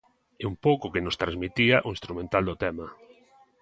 É un pouco o que nos transmitía o instrumental do tema.